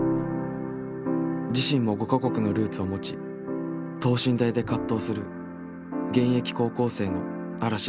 自身も５か国のルーツを持ち等身大で葛藤する現役高校生の嵐莉菜